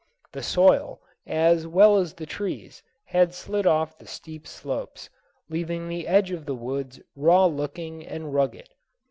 The soil, as well as the trees, had slid off the steep slopes, leaving the edge of the woods raw looking and rugged.